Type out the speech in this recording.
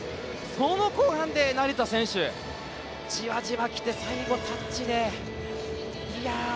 その後半で、成田選手じわじわきて最後、タッチでいやー。